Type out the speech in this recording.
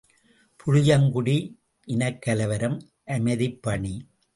● புளியங்குடி இனக்கலவரம் அமைதிப்பணி.